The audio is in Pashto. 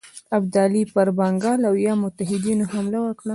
ابدالي پر بنګال او یا متحدینو حمله وکړي.